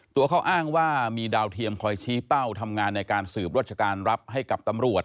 ตัวเขาอ้างว่ามีดาวเทียมคอยชี้เป้าทำงานในการสืบราชการรับให้กับตำรวจ